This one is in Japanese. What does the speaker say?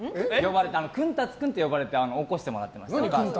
くんたつくんって呼ばれて起こしてもらってました。